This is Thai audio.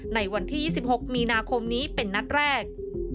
ในวันที่๒๖มีนาคมนี้เป็นนัดแรก